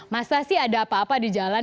masa sih ada apa apa di jalan